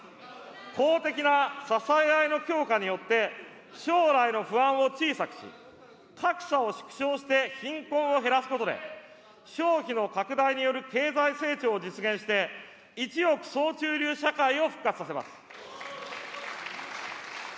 公的な支え合いの強化によって、将来の不安を小さくし、格差を縮小して貧困を減らすことで、消費の拡大による経済成長を実現して、一億総中流社会を復活させます。